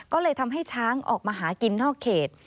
ก็เลยทำให้ช้างออกมาหากินนอกเขต